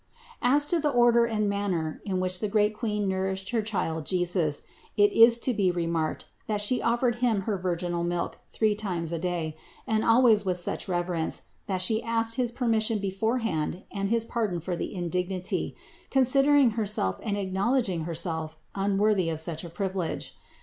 545. As to the order and manner in which the great Queen nourished her Child JESUS, it is to be remarked that She offered Him her virginal milk three times a day, and always with such reverence that She asked his per mission beforehand and his pardon for the indignity, considering Herself and acknowledging Herself un worthy of such a privilege.